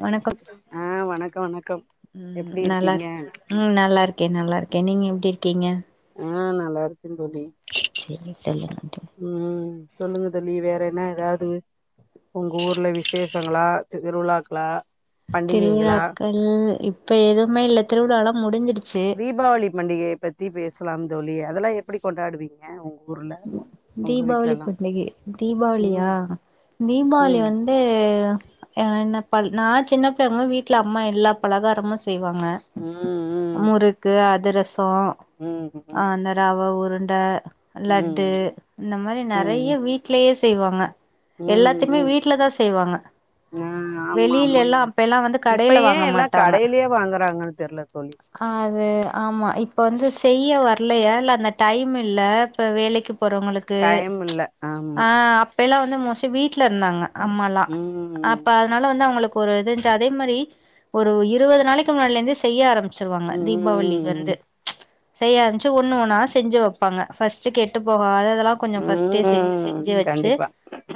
வணக்கம் ஆஹ் வணக் க்கணக் ம் நல்லார்க் உம் நல்லா இருக்கேன் நல்லா இருக்கேன் நீங்க எப்டி கீங்க ஆ நல்லாருக் ம் தோழி சேரி சொல்லுங்க தோழி ம் ம் சொல்லுங்க தோழி வேறென்ன எதாவது உங்க ஊர்ல விசேஷங்களா திருவிழாக்களா பண்டிகைகளா திருவிழாக்கள் இப் தீபாவளி பண்டிகையை பத்தி பேசலாம் தோழி அதெல்லாம் அப்படி கொண்டாடுவீங்க உங்க ஊர்ல உங்க தீபாவளி வீட்லல்லா பண்டிகை தீபாவளியா ம் தீபாவளி ம் வந்து ஹ என்ன நான் சின்ன பிள்ளைங்க வீட்டுல அம்மா எல்லா பலகாரமும் செய்வாங்க ம் ம் முறுக்கு அதுர சோ ம் அ அந்த ரவ ஊரு அந்த லட்டு ம் இந்த மாதிரி நிறைய ம் வீட்லயே செய்வாங்க ம் எல்லாத்தையுமே ம் வீட்டுலதான் செய்வாங்க ஆ ஆமா வெளியில ஆமா எல்லாம் அப்ப எல்லாம் வந்து இப்ப கடையில ஏ வாங்க எல்லா மாட்டாங்க கடையிலயே வாங்குறாங்கன்னு தெர்ல தோழி அது ஆமாம் இப்போ வந்து செய்ய வரலையா இல்லை அந்த டைம் இல்லை இப்ப வேலைக்கு போறவங்களுக்கு டைம் இல்ல ம்ச் ஆமா ஹ அப்பல்லாம் மொச வீட்டு இருந்தாங்க அம்மாலாம் ம் அப்ப ம் அதனால வந்து அவங்களுக்கு ஒரு இது அதே மாதிரி ஒரு இருபது நாளைக்கு முன்னால இருந்து செய்ய ஆரம்பச்ச சொல்லுவாங்க தீபாவளி வருது ம் செய்ய ஆரம்பச்சு ஒண்ணு ஒன்னா செஞ்சு வைப்பாங்க ஃப்ர்ஸ்ட் கெட்டு போகாத ல்லாம் ம் கொஞ்சம்ஸ செஞ்சு ம் செஞ்சு வச்சு கண்டிப்பா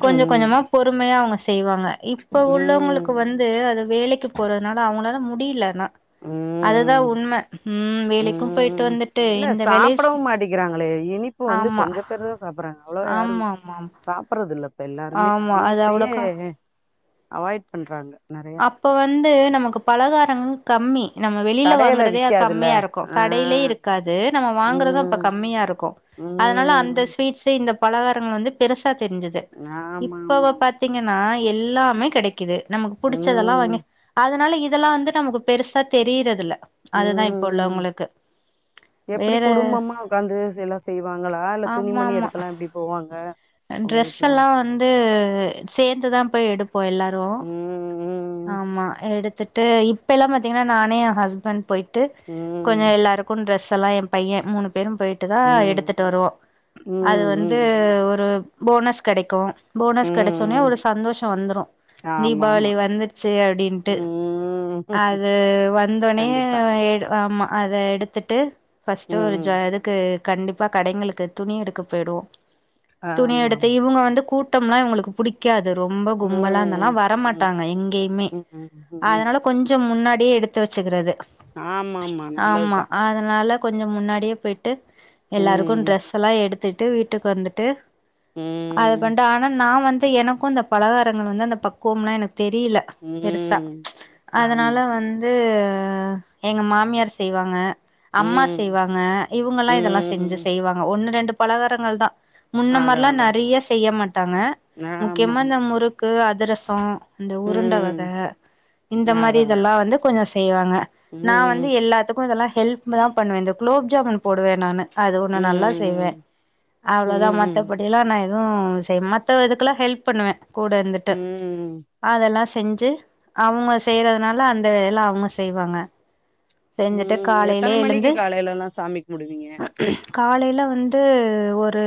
கொஞ்சம் ம் கொஞ்சமா பொறுமையா அவங்க செய்வாங்க இப்ப உள்ளவங்களுக்கு ம் வந்து அது வேலைக்கு போகதுனால அவங்களால் முடியலன்னா அதுதான் ம் உண்மை உம் வேலைக்கும் போயிட்டு ம் வந்துட்டு இல்ல இந்த வேலைய சாப்டவு மாட்டிக்கிறாங்களே இனிப்பு வந்து கொஞ்சம் பேர் தான் சாப்பிடடுறாங்க அவ்வளோ யாரும் ஆமா ஆமா சாப்பிடறது இல்ல இப்ப எல்லாருமே ஆமா நீ அது இப்பையே அவ்ளோக்கா அவாய்ட் பண்றாங்க நெறையா அப்ப வந்து நமக்கு பலகார ச கம்மி நம்ம வெளியில கடையில வாங்குறதே விக்காதுல்ல கம்மியா இருக்கும் ஆ கடையிலயே இருக்காது நம்ம வாங்கறதும் அப்போ ம் கம்மியா இருக்கும் அதனால அந்த ம் ஸ்வீட்ஸ்சே இந்த பலகாரங்கள் வந்து பெருச தெரிஞ்சது ஆமா ஆமா இப்ப ஆமா பாத்தீங்கன்னா எல்லாமே கிடைக்குது நம்ம புடிச்சதெல்லாம் ம் வாங்க அதனால இது இதெல்லாம் வந்து நமக்கு பெருசா தெரியறதுல்ல உம் எப்படி வேற குடும்பமா உக்காந்து எல்லாம் செய்வாங்களா இல்ல துணிமணி எடுக்கலாம் எப்படி போவாங்க உங்க ரெஸ் வீட்ல எல்லாம் வந்து சேர்ந்துதான் போய் எடுப்போம் எல்லாரும் ம் ஆமா எடுத்துட்டு இப்ப எல்லாம் பாத்தீங்கன்னா நானே என் ஹஸ்பண்ட் போய்டட்டு கொஞ்சம் ம் எல்லாருக்கும் டிரெஸ் எல்லாம் பையன் மூணு பெரும் போயிட்டு தான் ம் எடுத்துட்டு வருவோம் அது ம் வந்து ம் ஒரு ஒரு போனஸ் கெடைக்கும் போனஸ் கெடைச்சோனே ம் ஒரு சந்தோஷம் வந்துரும் ஆமா தீபாவளி ஆமா வந்துருச்சு அப்படின்ட்டு ம் அது வந்தோனே கண்டிப்பா ஆமா அத எடுத்துட்டு பர்ஸ்ட் ஒரு ஜ ம் அதுக்கு கண்டிப்பா கடைங்களுக்கு துணி எடுக்க போய்டுவோம் துணி ஆமா எடுத்து இவங்க வந்து கூட்டு கூட்டம்லா இவங்களுக்கு பிடிக்காது ரொம்ப கும்பலா இருந்தன்னா ம் வர ம் மாட்டாங்க எங்கேயுமே ம் ம் அதனால கொஞ்சம் முன்னாடி எடுத்து வெச்சுக்கிறது ஆமா ஆமா நல்லதுதா அதனால கொஞ்சம் முன்னாடியே போய்டிட்டு எல்லாருக்கு ம் ட்ரெஸ் எல்லா எடுத்து பத்துட்டு வீட்டுக்கு வந்துட்டு அது ம் பண்ட் ஆனா நான் வந்து எனக்கு அந்த பலகாரங்கள் வந்து அந்த பக்குவம்லாம் எனக்கு தெரியல பெருசா ம் அதனால ஆமா வந்து எங்க மாமியார் செய்வாங்க அம்மா ம் செய்வாங்க இவங்க எல்லாம் இதெல்லாம் செஞ்சு ம் செய்வாங்க ஒண்ணு ரெண்டு பலகாரங்கள் தான் முன்னம்மாதி அதா லாம் அதா நெறைய செய்ய மாட்டாங்க ஆமா ஆமா முக்கியமா இந்த முறுக்கு அதுரசம் அந்த உருண்ட ம் வகை இந்த மாதிரி அதா இதெல்லாம் வந்து கொஞ்ச செய்வாங்க நான் ம் வந்து எல்லாத்துக்கு இதெல்லாம் ஹெல்ப் தான் பண்ணுவன் குலோப் ஜாமன் போடுவேன் நானு அது ஒண்ணு நல்லா செய்வேன் ம் அவ்ளோதான் மத் ம் நான் எதுவும் செய் மத்த இதுக்கெல்லாம் ஹெல்ப் பண்ணுவேன் கூட இருந்துட்டு ம் அதெல்லா செஞ்சு அவங்க செய்யறதுனால அந்த வேல அவங்க செய்வாங்க செஞ்சுட்டு ம் எத்தன காலையிலயே மணிக்கு எழுந்து காலைலல்லா சாமி கும்பிடுவீங்க காலையில வந்து ஒரு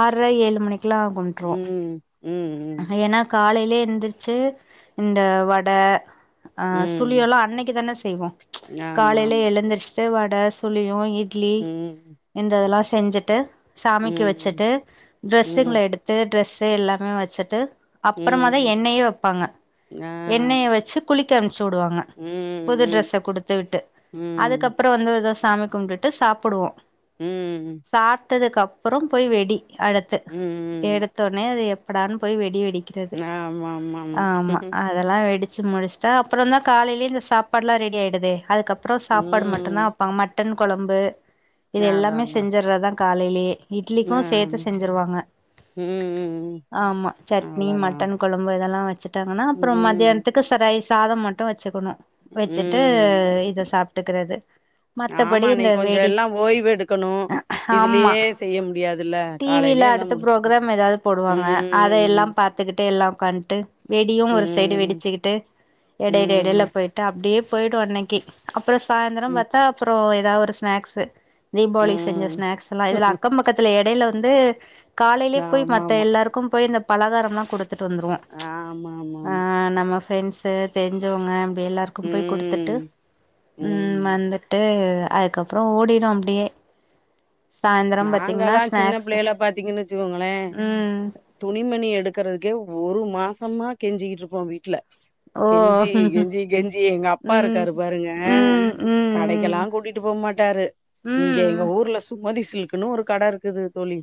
ஆர்ர ஏழு மணிக்கு ள கும்ப்ட்றுவோம் ம் ம் ம் ஏன்னா காலையில் எந்திரிச்சு இந்த வடை ஆஹ் ம் சுல்லி எல்லாம் அன்னைக்கு தானே செய்வம் ஆமா காலையில ஆமா எழுந்தருச்சு வட சொழியும் இ இட்லி ம் எந்தெல்லாம் செஞ்சுட்டு சாமிக்கு ம் வச்சிட்டு ட்ரெஸ்ஸுங்களை ம் எடுத்து ட்ரெஸ் எல்லாமே வச்ச செட்டு அப்புறமதான் ம் எண்ணெயே வைப்பாங்க ஆ எண்ணெயை வச்சு குளி சுடுவாங்க ம் புது ம் ட்ரரெஸ்ச கொடுத்து விட்டு ம் அதுக்கப்புறம் வந்து வி சாமி கும்பிட்டு சாப்பிடுவோம் உஹம் விட்டதுக்கப்புறம் போய் வெடி அடுத்து ம் எடுத்தோடனே அது எ படான் போய வேடி க்றது ஆமா ஆமா ஆமா அதெல்லாம் வெடிச்ச வச்சு முடிச்சிட்ட அப்புறம் தான் காலையேயே சாடுல்லாம் ரெடி ஆயிடுது அதுக்க அப்புறம் சாப்பாடு மட்டும்தான் ம் வப்பாங்க மட்டன் கொழம்பு இது அதா எல்லாமே அதா செஞ்சறதான் காலையிலேயே ஆ இட்லிக்கும் சேத்து செஞ்சருவாங்க ம் ஆமா சட்னி அவ்ளோதா மட்டன் குழம்பு இதெல்லாம் வச்சுட்டாங்கன்னா அப்புறம் ம் மத்தியானத்துக்கு சரைஸ் சாதம் மட்டும் வச்சுக்கணும் வச்சட்டு ம் இத சாப்பிட்டுக்கிறது மத்தபடி ஆமா இந்த அன்னைக்கு கொஞ்சோ வேடி எல்லா ஓய்வு எடுக்கணு ஆமா இதுலயே செய்ய முடியாதுல்ல டிவில காலையிலயே எல்லா அடுத்த முடிச்சிடணு ப்ரோகராம் ஏதாவது போ வாங்க அத எல்லாம் ம் பாாரத்துக்கிட்டு எல்லாம் கண்டுட்டு வெடியும் ஒரு சைடு ம் வெடிச்சுக்கிட்டு இடைல இடைல ம் போய்டட்டு அப்படியே போயிடும் ஆன்னைக்கு அப்புறம் சாய்ந்தரம் ம் பாத்தா அப்புறம் ஏதாவ ஒரு ஸ்நாக்ஸ் தீபாவளி செஞ்ச ம் ஸ்நாக்ஸ் எல்லாம் இது அக்கம்பக்கத்துல ஏ எடைல வந்து காலையிலயே போய் ஆமா மத்த ஆமா எல்லாருக்கு போய் இந்த பலகாரம் தான் கொடுத்து ட்டு வந்துருவோம் ஆமாமாமா நம்ம ஃப்ரெண்ட்ஸு தெரிஞ்சவங்க டி எல்லாருக்கும் போய் கொடுத்துட்டு ம் உம் ம் வந்துட்டு அதுக்கப்புறம் ஓடிடும் அப்படியே நாங்கல்லாம் சின்ன பிள்ளைல பாத்தீங்கன்னு வச்சுக்கோங்களே ம் துணிமணி எடுக்கறதுக்கே ஒரு மாசமாக கெஞ்சிக்கிட்டு இருப்போம் வீட்டில ஓ கெஞ்சி ம் கெஞ்சி கெஞ்சி எங்க அப்பா ம் இருக்காரு பாருங்க ம் ம் கடைக்கெல்லாம் கூட்டிட்டு போமாட்டாரு இங்க ம் எங்க ஊர்ல சு மதிசில் இன்னு ஒரு கடை இருக்குது தோழி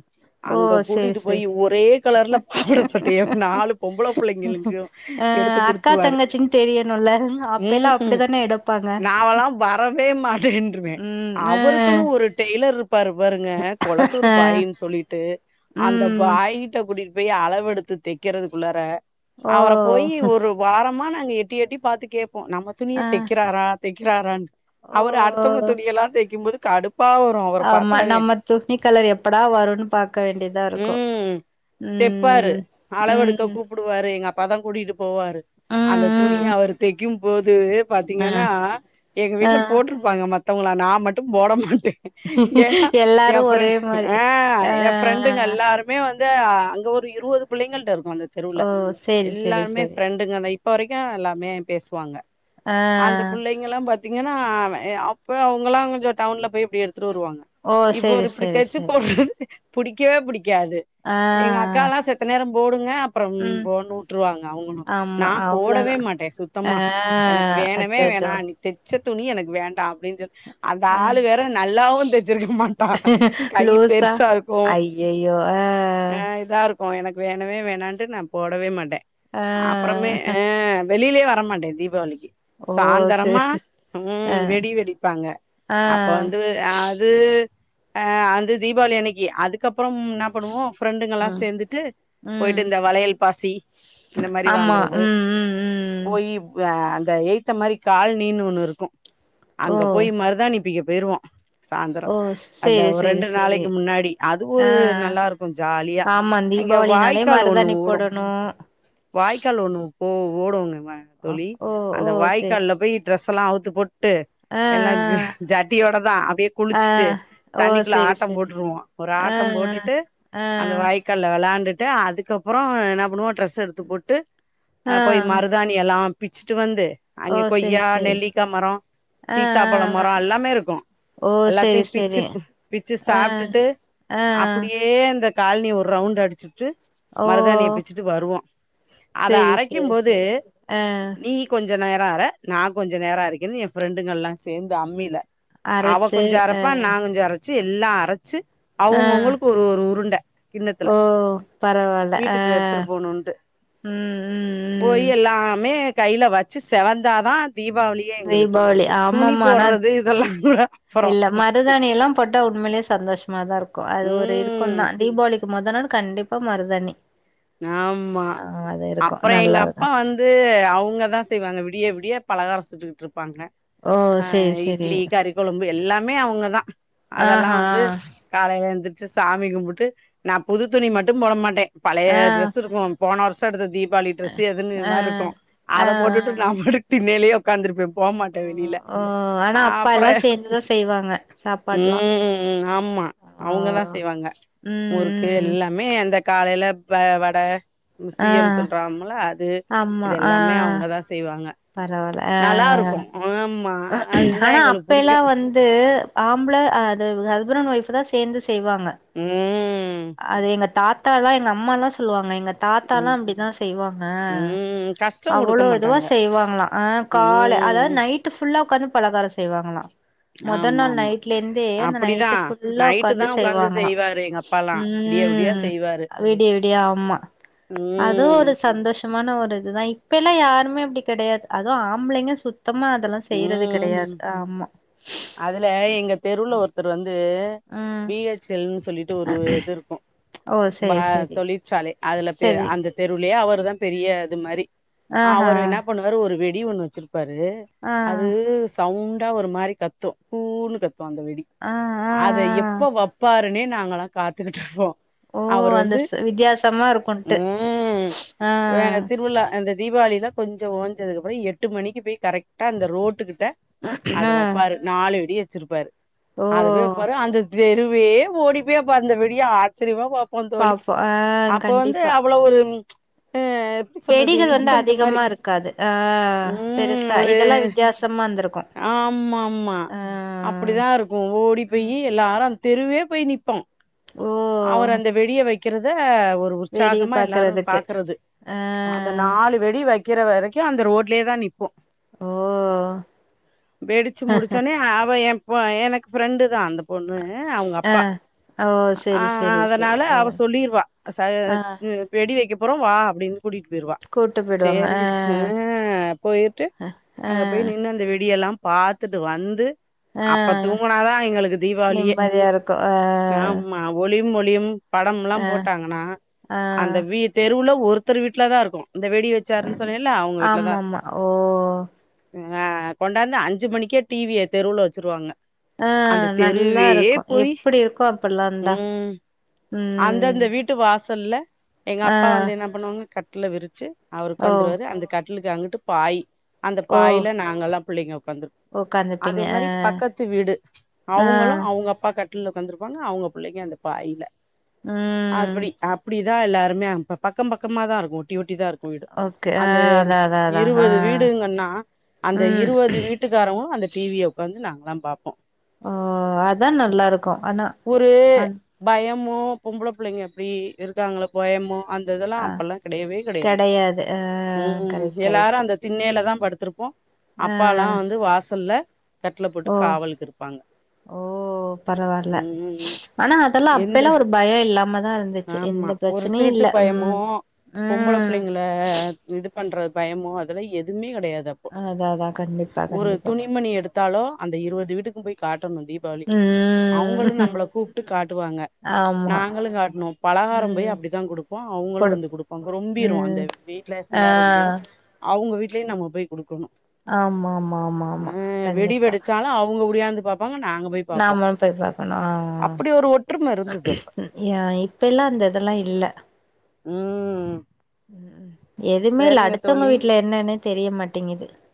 ஓ அங்க சேரி கூட்டிட்டு போய் சேரி ஒரே கலர்ல பாவாடை சட்டையா நாலு பொம்பளை பிள்ளைங்களுக்கு அ எடுத்து அக்கா குடுத்துவாரு தங்கச்சின்னு தெரியணுல்ல அப்பெல்லா உம்ம் அப்டிதானே எடுப்பாங்க நாவல்லாம் வரவே மாட்டேன்ருவேன் ம் அ அவருக்குன்னு ஒரு டெய்லர் [unintelligible] ங்க குளத்தூர் பாயு அ சொல்லிட்டு அந்த ம் பாயிட்ட கூடி போய் அளவ எடுத்து தைக்கதுக்குள்ளார ஓ அவரை போயி ஒரு வாரமான நாங்க எட்டி எட்டி பா்த்து கே நம்ம துணிய அ தைக்கிறாரா தக்கிறாரான் ஓ அவரு அடுத்தவங்க துணி எல்லாம் தக்கும்போது கடுப் ப வரும் அவ பாத்தாவே தூக்னி கலர் எப்படா வரும்ன்னு பாக்க வேண்டியதா இருக்கு ம் உம் உம் அப்பதம் கூடிட்டு போவாரு அந்த துணிய அவரு தக்கும் அ பாத்தீங்கன்னா ம் எங்க அ வீட்டுல அ போட்டிருப்பாங்க மத்த வங்களா நான் மட்டும் போட மாட்ட ஏனா எல்லாரு என் ஒரே ஃப்ரெண்ட் மாரி ஆஹ் ஆ என் ஃப்ரெண்டுங்க எல்லாருமே வந்து அங்க ஒரு இருபது பிள்ளைங்களிட்ட இருக்கு வந்த தெருல ஓ சேரி சேரி எல்லாருமே சேரி பிரெண்டுங்க தான் இப்ப வரைக்கும் எல்லாமே பேசுவாங்க ஆ அந்த பிள்ளைங்கல்லாம் பத்த பத்தீங்கன்னா அப்ப அவங்காளா கொஞ்ச டவுன்ல போய் எப்படி எடுத்து வருவாங்க ஓ இப்ப சேரி ஒரு சேரி பிடிக்காச்சு சேரி போடுறது புடி க்கவே பிடிக்காது ஆ எங்க அக்கா எல்லாம் செத்த நேரம் போடுங்க அப்புறம் ம் போண்ணு விட்டுருவாங்க அவங்களும் ஆமா நான் போடவே அவ்ளோதா மாட்டேன் ஆ சுத்தமா எனக்கு வேணவே அச்சச்சோ வேணாம் நீ தச்ச துணி எனக்கு வேண்டாம் ப்பின்னு சொல்ல அந்த ஆ ஆளு வேற நல்லாவு தச்சிருக்கமா லூசா அய்யயோ அஹ் அ எனக்கு வேணவே வேணான்ட்டு நான் போடவே மாட்டேன் ஆ அப்புறமே ஆஹ் வெளியிலே வரமாட்டே தீபாவளிக்கு ஓ சேரி சாயந்திரமா சேரி உஹம் ஆ வெடி வெடிப்பாங்க ஆ அப்ப வந்து அது ஆஹ் வந்து தீபாவளி அன்னைக்கு அதுக்கப் அப்புறம் என்ன பண்ணுவோ ஃப்ரெண்டுங்கல்லா ம் சேர்ந்துட்டு ம் போயிட்டு இந்த வளையல் பாசி இந்த மாரி ஆமா வாங்குறது உம் உம் உம் இந்த எய்த்த மாதிரி கால் நீனு ஒண்ணு இருக்கும் ஓ அங்க போய் மருதாணிப்பிக்க போய்ருவோம் ஓ அந்த சேரி சேரி ரெண்டு சேரி நாளைக்கு முன்னாடி அது ஒரு ஆ நல்லா இருக்கு ஜாலியா ஆமா அங்க தீபாவளினாலே வாய்க்கால் ஒண்ணு மருதாணி ஓடும் போடணு வாய்க்கால் ஒன்னு ஓஹ் ஓடவுங்க தோழி ஓ ஓ அந்த செரி வாய்க்கால்ல செரி போய் ட்ரெஸ் லாம் அவுது போட்டு ட்டு ஆ எல்லாம் ஜட்டியோட தான் அப்டியே ஆ குளிச்சுட்டு ஆ ஓ தண்ணிக்குள்ள செரி ஆட்டம் செரி போட்டுருவோம் ஒரு ஆ ஆட்டம் போட்டுட்டு ஆ அந்த ஆ வாய்க்கால்ல வெளாண்டு அதுக்கப்புறம் என்ன பண்ணுவோ ட்ரெஸ் எடுத்து போட்டு ஆ அஹ் போய் மருதாணி எல்லாம் பிச்சிட்டு வந்து ஓ அங்க செரி கொய்யா செரி நெல்லிக்காய் மரம் ஆ சீத்தாபழ மரம் ஆ எல்லாமே இருக்கு ஆ ஓ செரி எல்லாத்தையு பிச்சு செரி வச்சு ஆ சாப்பிட்டுட்டு ஆ அப்படியே அந்த காலனி ஒரு ரவுண்ட் அடிச்சிட்டு ஓ மரூதாணிய பிச்சுட்டு வருவோ அத செரி அரைக்கும் செரி போது செரி ஆ நீ கொஞ்ச கொஞ்ச நேரம் அர நான் கொஞ்ச நேர அரக்கனு என் ஃபிரெண்டுங்க எல்லாம் சேர்ந்து அம்மில அவ அரச்சு கொஞ்ச ஆ அரப்பா நான் கொஞ்ச அரைப் வச்ச எல்லாம் அரைச்சு ஆ அவங்க உங்களுக்கு ஒரு ஒரு உருண்டை ஓ பரவாயில வீட்டுக்கு ஆஹ் எடுத்துட்டு போணுன் உம் உம் போய் உம் எல்லாமே கையில வச்சு செவந்தாதான் தீபாவளியே எங்களுக்கு தீபாவளி துணி ஆமாமா ஆனா போடுறது இதெல்லாம் கூட அப்புறம் உண்மையே சந்தோஷமா தான் இருக்கு அது ஒரு இருக்கு ம் தான் தீபாவளி மொத நாள் கண்டிப்பா மருதாணி ஆமா ஆ அது இருக்கு அப்புறம் நல்லா எங்க இருக்கு அப்பா வந்து அவங்கதான் செய்வாங்க விடிய விடிய பழகாரம்சுட்டுட்டு இருக்கு ப்பாங்க ஓ சேரி ஆஹ் சேரி இட்லி கறிக்குழம்பு எல்லாமே அவங்க தான் அதெல்லாம் ஆஹா வந்து காலையில எந்து சாமி கும்பிட்டு நான் புது துணி மட்டும் போட மாட்டேன் ஆஹ் போன வருஷம்எடுத்த தீ வாளி டிரெஸ் எதுன்னு ஆ மாதிரி இருக்கு ஆ ஆ அதை போட்டுட்டு நான் பாட்டுக் தின்னேல உக்காந்துருப்பேன் ஓ போமாட்டேன் வெளியில ஓ ஆனா அப்பா எல்லா அப்புறம் சேந்துதா செய்வாங்க சாப்பாடுலா உம்ம் ஆமா ஆ அவங்க தான் செய்வாங்க முறுக்கு ம் ம் எல்லாமே அந்த காலையிலப் பயா வட சுயம் ஆ சொல்றாம்மல அது இதெல்லாமே அவங்கதான் செய்வாங்க பரவாயில்ல நல்லா இருக்கு ஆஹ் ஆமா அதுதா ஆனா எங்களுக்கு அப்ப எல்லா புடிக்கு வந்து ஆம்பளை அது சுப்ரன் வைஃப் சேர்ந்ஸ் செய்வாங்க ம் அது எங்க தாத் தலாம் எங்க அம்மாலாம் சொல்லுவாங்க தாத்தாலாம் ம் அப்படித்தான் செய்வாங்க ம் கஷ்ட குடுக்க அவ்ளோ இதுவா மாட்டாங்க செய்வாங்களாம் ஆஹ் கால் அதாவ ம் நைட்டு் புல்லா உக்காந்து பலகாரம் செய்வாங்களாம் மொத ஆமா நாள் ஆமா நைட்ல இந்தே அந்த அப்டிதா நைட்டு ஃபுல்லா நைட்டு உக்காந்து தா செய்வாங்களாம் செய்வாரு எங்க அப்பாலா விடிய விடிய உம் செய்வாரு விடிய விடிய ஆமா அது ம் ஒரு சந்தோஷ் சுமான ஒரு இதுதான் இப்ப எல்லாம் யாருமே அப்படி கிடையாது அதுவும் ஆம்பளைங்க சுத் உஹம் அதுல எங்க தெருள்ள ஒருத்தர் வந்து ம் பி எச் எல் ன்னு சொல்லிட்டு ஒரு ஒரு இது இருக்கும் ஒ சேரி சேரி அதுல போய் சேரி அந்த தெருலே அவர் இவன் பெரிய அது மாரி ஆஹா அவரு என்ன பண்ணுவாரு ஒரு வெட் அடி ஒண்ணு வச்சிருப்பாரு அது ஆ சவுண் டா ஒரு மாரி கத்தோம் கூ ன்னு கத் அந்த வெடி ஆ ஆ ஆ அதை எப்ப வைப்பாருன்னே நாங்களா காத்துக்கிட்று இருப்போம் ஓ அவர் அந்த வந்து வித்தியாசமா இருக்குன்ட்டு உம் ஆ திருவிழா அந்த தீபாவளில கொஞ்சம் ஓஞ்சதுக்கப்புறம் எட்டு மணிக்கு போய்கரெக்ட் டா அந்த ரோட்டுக்கிட் ட அத ஆ வைப்பாரு நாலுவெடி வச்சிருப்பாரு ஓ அதுவே பாரு அந்தது தெருவே ஓடிப்போய் அப்ப அந்தவெடிய ஆச்சரியமா பாப் போம் தோழி பாப்போ ஆ அப்ப வந்து கண்டிப்பா அவ்வளோ ஒரு அ எப்டி சொல்றது வெடிகள் வந்து இன்னசென்ட் மாரி அதிகமா இருக்காது ஆஹ் ம் பெருசா ஒரு இதெல்லா வித்தியாசமா இருந்திருக்கு ஆமா ஆமா ஆ அப்படிதான் இருக்கும் ஓடி ம் போயி எல்லாரும் தெருவே போய் நிப் போம் ஓ அவர் அந்த வெடிய வைக்க க்கிறத ஒரு வேடிக்க உற்சாகமா எல்லாரும் பாக்குறதுக்கு பாக்குறது ஆ அந்த நாலு வெடி வைக்க கிற வரைக்கும் அந்த ரோட்லயே தான் நிப்போம் ஓ வேடுச்சு முடுச்சன்ன அவ எ ஓஹ் எனக்கு ஃப்ரெண்டு தான் அந்த பொண்ணு அவங்க ஆ அப்பா ஓ செரி செரி செரி அதனால ஆ அவ சொல்லிருவா ஆ வெடி வைக்க அப்புறம் வா அப்படின்னு கூட்டிட்டு போயடுவா கூட்டு போயிடுவாங்க சேரின்ன்ட்டுஹ போயிட்டு ஆ அங்க போய் நின்று அந்த அப்படியெல்லாம் பாத்துட்டு வந்து ஆ அப்ப ஆ தூங்கினாதான் எங்களுக்கு தீபாவளியே நிம்மதியா இருக்கு ஆ ஆமா ஒளியு ஒளி ம் படம்லா ஆ போட்டாங்கன்னா ஆ அந்த தெருவுல ஒருத்தர் வீட்டுல தான் இருக்கும் இந்த வெடி வச்சாரு ஆமா ஆமா ஓஹ் ஆஹ கொண்டாந்து அஞ்சு மணிக்கே டிவிய தெருவுல வச்சருவாங்க ஆஹ் நல்லா இருக்கு போய் எப்படி இருக்கு அப்படல்லாம்ந்தா ம் அந்தந்த வீட்டு வாசல்லல எங்க ஆ அப்பா வந்து என்ன பண்ணுவாங்க கட்ல விரிச்சு அவருக்கு ஓ வந்துருவரு அந்த கட்ட கட்லுக்கு அங்கிட்டு பாய் அந்த ஓ பாய்ல நாங்கல்லாம் புள்ளங்க ந்து அதே உக்காந்துப்பீங்க ஆ மாதிரி பக்கத்து வீடு ஆ அவங்களும் அவங்க அப்பா கட் ட்டில் ல உக்காந்ருப்பாங்க அவங்க பிள்ளைங்க அந்த பாய்ல ம் அப்படி அப்படி இத எல்லாருே பக்கம் பக்கமா தான் இருக்கு ஒட்டி ஒட்டி தான் இருக்கு வீடு ஓகே ஆ அந்த அதா அதா அதா ஆ இருபது வீடுங்கன்னா அந்த ம் இருபது வீட்டுக்காரவங்க அந்த டிவிய உட்காந்து நாங்க ல்லாம் பார்போம் ஓ அதான் நல்லா இருக்கும் ஆனா அ ஆம் பொம்பள பிள்ளைங்க எப்படி இருக்காங்கள கோயமோ அந்த இதெல்லாம் ஆ அப்பெல்லாம் கெடையவே கிடையாது கெடையாது ஆ உம் கரெக்ட் எல்லாரும் கரெக்ட் அந்த திண்ணல தான் படுத்திருப்போம் ஆ அப்ப எல்லாம் வந்து வாசல்ல கட்ல போட்டு ஓ காவலுக்கு இருப்பாங்க ஓஹ் பரவால்ல ம் ஆனா அதெல்லாம் எந்த அப்பல்லா ஒரு பயம் இல்லாம தான் இருந்துச்சு ஆமா எந்த ஒரு பிரச்சனையும் திருட்டு இல்லை உம் பயமோ பொம்பள உம் புள்ளைங்கள இது பண்ற பயமோ அதெல்லாம் எதுவுமே கிடையாதுப்போ அதா அதா கண்டிப்பா ஒரு கண்டிப்பா துணிமணி எடுத்தாலோ அந்த இருபது வீட்டுக்கு எடுத்துன்போய் காட் [unintelligible] தீபாவளிக்கு அவங்களும் ம் நம்மளை கூப்பிட்டு காட்டுவாங்க ஆமா நாங்களும் காட்னோம் பலகாரம் போய் ம் அப்படித்தான் குடுப்போம் அவங்களும் வந்து கொடுப்போ குடுப்பாங்க ரொம்பிரும் அந்த ம் வீட்ல ஆ [unintelligible] ரொம்பிரும் அவங்க வீட் நம போய் குடுக்கணும் ஆமா ஆமா ஆமா ஆமா கண்டிப்பா [unintelligible] ங்க நாங்க போய் பாப்போம் நாமளு போய் பாக்கணு அப்படி ஒரு ஒற்றுமை இருந்தது ஏ இப்ப எல்லா அந்த இதெல்லாம் இல்ல உம் எதுவுமே இல்ல அடுத்தவங்க வீட்ல என்னன்னு தெரிய மாட்டேங்குது